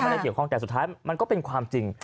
ไม่ได้เกี่ยวข้องแต่สุดท้ายมันก็เป็นความจริง